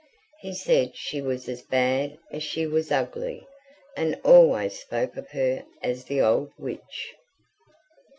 He said she was as bad as she was ugly, and always spoke of her as the old witch.